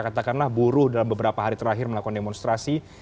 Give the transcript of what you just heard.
katakanlah buruh dalam beberapa hari terakhir melakukan demonstrasi